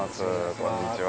こんにちは。